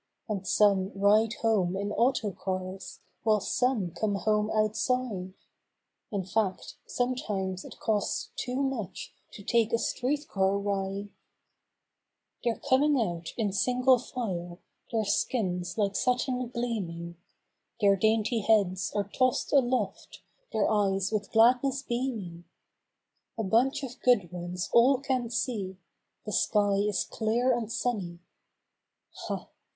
And some ride home while some come home m auto cars, outside; —— In fact, sometimes it costs too much to take a street car ride. #They're coming out in single file, their skins like satin gleaming, Their dainty heads are tossed aloft, their eyes with gladness beaming, A bunch of good ones all can see; the sky is clear and sunny; Ha!